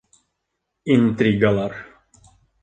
Интригалар!